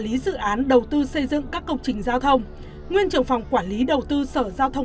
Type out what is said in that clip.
lý dự án đầu tư xây dựng các công trình giao thông nguyên trưởng phòng quản lý đầu tư sở giao thông